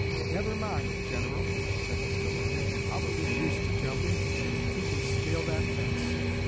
'Never mind, General,' said Mr. Lincoln, 'Hubbard is used to jumping he can scale that fence.'